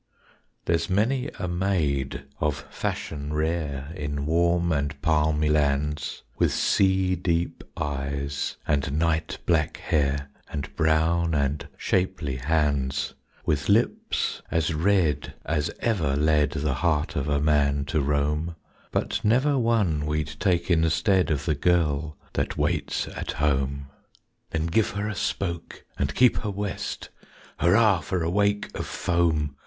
_ There's many a maid of fashion rare In warm and palmy lands, With sea deep eyes and night black hair And brown and shapely hands; With lips as red as ever led The heart of a man to roam, But never one we'd take instead Of the girl that waits at home. _Then give her a spoke and keep her west, Hurrah for a wake of foam!